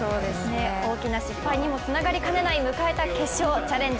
大きな失敗にもつながりかねない、迎えた決勝。